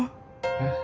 えっ？